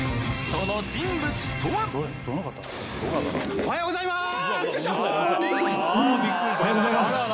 おはようございます。